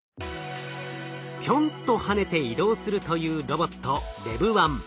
ぴょんと跳ねて移動するというロボット